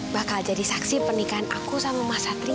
bakal jadi saksi pernikahan aku sama mas satri